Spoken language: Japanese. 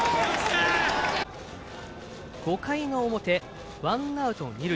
５回の表、ワンアウト二塁。